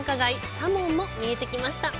タモンも見えてきました。